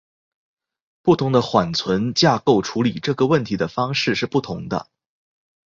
不同的缓存架构处理这个问题的方式是不同的。